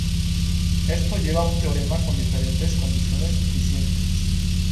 Esto lleva a un teorema con diferentes condiciones suficientes.